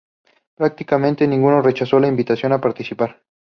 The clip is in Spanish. Prácticamente ninguno rechazó la invitación a participar.